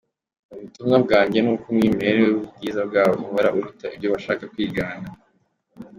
Ubutumwa bwanjye ni uko umwimerere w’ubwiza bwabo uhora uruta ibyo bashaka kwigana.